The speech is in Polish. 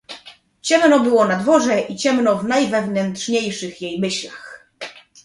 "Ciemno było na dworze i ciemno w najwewnętrzniejszych jej myślach."